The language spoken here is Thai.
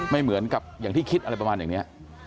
ไม่เหมือนกับอย่างที่คิดอะไรประมาณอย่างนี้